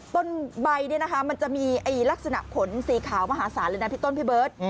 ต้นใบมันจะมีลักษณะขนสีขาวมหาศาลเลยนะพี่ต้นพี่เบิร์ต